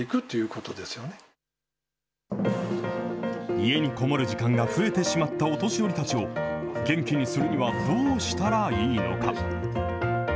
家に籠もる時間が増えてしまったお年寄りたちを、元気にするにはどうしたらいいのか。